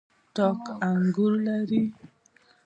تاک انګور لري.